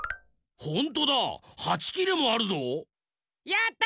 やった！